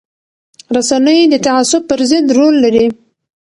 رسنۍ د تعصب پر ضد رول لري